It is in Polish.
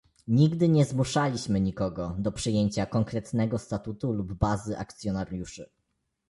Nigdy nie zmuszaliśmy nikogo do przyjęcia konkretnego statutu lub bazy akcjonariuszy